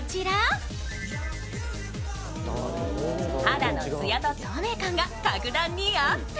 肌のツヤと透明感が格段にアップ。